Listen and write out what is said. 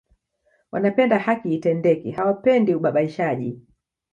Wanapenda haki itendeke hawapendi ubabaishaji